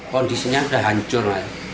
kondisinya sudah hancur